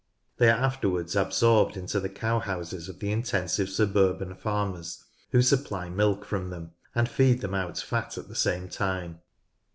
They are afterwards absorbed into the cow houses of the intensive suburban farmers, who supply milk from them, and feed them out fat at the same time.